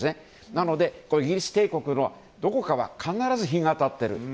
なので、イギリス帝国のどこかは必ず日が立っている。